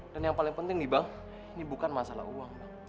dan yang paling penting nih bang ini bukan masalah uang